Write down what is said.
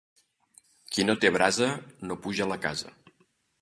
Qui no té brasa, no puja la casa.